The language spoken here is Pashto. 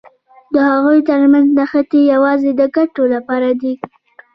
د هغوی تر منځ نښتې یوازې د ګټو لپاره دي.